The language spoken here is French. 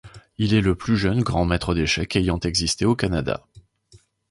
Il est le plus jeune grand maitre d'échecs ayant existé au Canada.